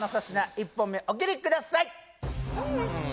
１本目お切りください